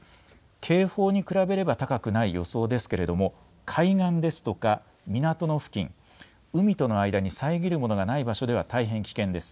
警報に比べれば高くない予想ですけれども海岸ですとか港の付近、海との間に遮るものがない場所では大変危険です。